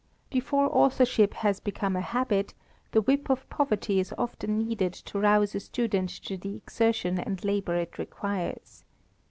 Before authorship has become a habit, the whip of poverty is often needed to rouse a student to the exertion and labour it requires.